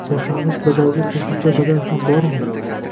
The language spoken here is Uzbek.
Boshlang‘ich badalga qo‘shimcha "badal" ham bormi?